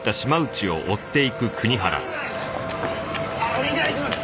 お願いします。